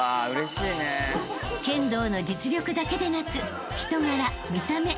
［剣道の実力だけでなく人柄見た目